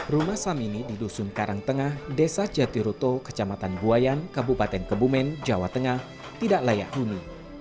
rumah samini di dusun karangtengah desa jatiroto kecamatan buayan kabupaten kebumen jawa tengah tidak layak huni